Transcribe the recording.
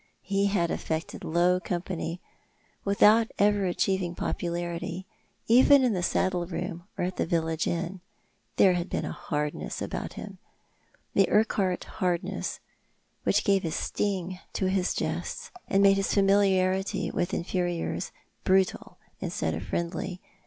He had affected low company without ever achieving popularity, even in the saddle room or at the village inn. There had been a hardness about him — the Urquhart hardness — which gave a sting to his jests, and made his familiarity with inferiors brutal instead of friendly.